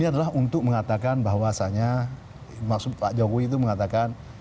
ini adalah untuk mengatakan bahwasannya maksud pak jokowi itu mengatakan